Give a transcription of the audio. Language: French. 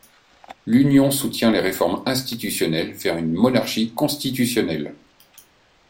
L'Union soutient les réformes institutionnelles vers une monarchie constitutionnelle.